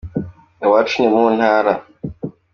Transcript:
iwacu nimuntara